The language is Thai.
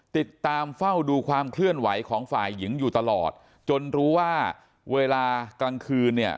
ติดตามเฝ้าดูความเคลื่อนไหวของฝ่ายหญิงอยู่ตลอดจนรู้ว่าเวลากลางคืนเนี่ย